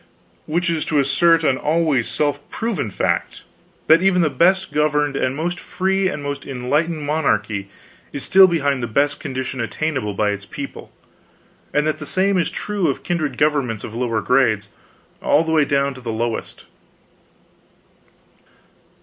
Which is to assert an always self proven fact: that even the best governed and most free and most enlightened monarchy is still behind the best condition attainable by its people; and that the same is true of kindred governments of lower grades, all the way down to the lowest.